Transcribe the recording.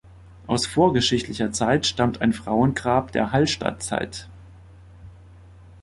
Aus vorgeschichtlicher Zeit stammt ein Frauengrab der Hallstattzeit.